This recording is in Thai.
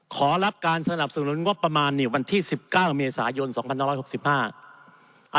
ขอรับการสนับสนุนงบประมาณเนี่ยวันที่สิบเก้าเมษายนสองพันห้าร้อยหกสิบห้า